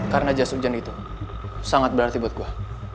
karena jas hujan itu sangat berarti buat gue